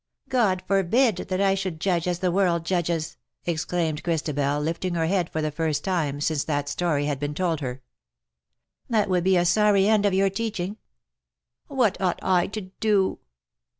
" God forbid that I should judge as the world judges/' exclaimed Christabel, lifting her head for the first time since that story had been told her. '' That would be a sorry end of your teaching. What ought I to do